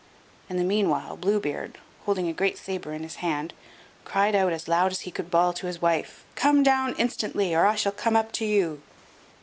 In the meanwhile Blue Beard, holding a great sabre in his hand, cried out as loud as he could bawl to his wife: "Come down instantly, or I shall come up to you."